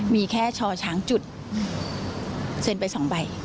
มีแค่ชอช้างจุดเซ็นไป๒ใบ